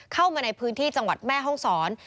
เข้ามาในพื้นที่จังหวัดแม่ห้องศร